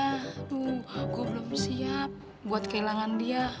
aduh gue belum siap buat kehilangan dia